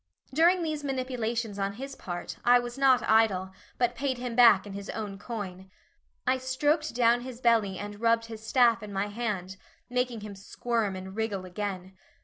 During these manipulations on his part, I was not idle, but paid him back in his own coin. I stroked down his belly and rubbed his staff in my hand, making him squirm and wriggle again.